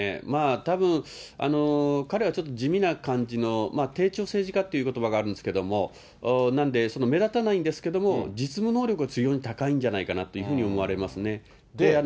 たぶん、彼はちょっと地味な感じの、低調政治家ということばがあるんですけど、なんで、目立たないんですけれども、実務能力は非常に高いんじゃないかなというふうに思われますね。